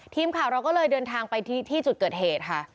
ทีมข่าวเราก็เลยเดินทางไปที่จุดเกิดเหตุค่ะ